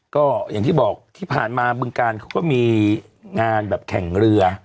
ก็อย่างที่บอกที่ผ่านมาบึงการเขาก็มีงานแบบแข่งเรือ